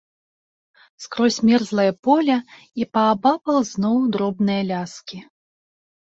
Скрозь мерзлае поле, і паабапал зноў дробныя ляскі.